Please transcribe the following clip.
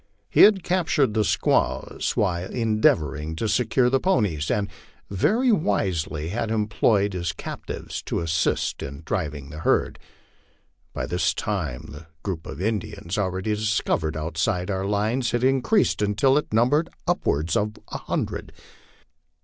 He had captured the squaws while endeavoring to secure the ponies, and very wisely had employed his captives to assist in driving the herd. By this time the group of Indians already discovered outside our lines had increased until it numbered upwards of a hundred.